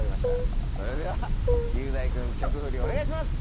それでは雄大君曲フリお願いします！